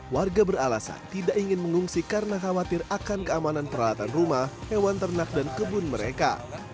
warga beralasan tidak ingin mengungsi karena khawatir akan keamanan peralatan rumah hewan ternak dan kebun mereka